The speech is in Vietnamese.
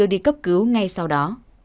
đưa đi cấp cứu ngay sau đó